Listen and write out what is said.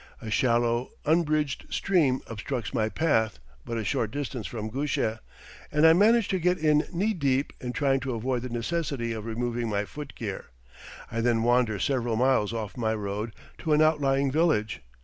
A shallow, unbridged stream obstructs my path but a short distance from Gusheh, and I manage to get in knee deep in trying to avoid the necessity of removing my footgear; I then wander several miles off my road to an outlying village.